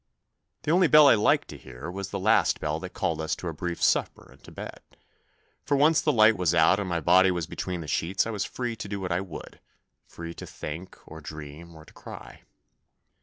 The only bell I liked to hear was the last bell that called us to our brief supper and to bed, for once the light was out and my body was between the sheets I was free to do what I would, free to think or to dream or to cry.